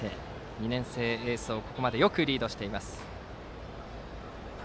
２年生エースをここまでよくリードしています。